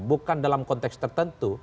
bukan dalam konteks tertentu